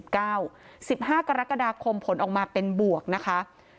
สิบห้ากรกฎาคมผลออกมาเป็นบวกนะคะ